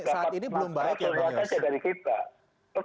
saat ini belum baik ya bang yus